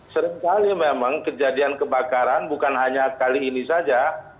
seringkali memang kejadian kebakaran bukan hanya kali ini saja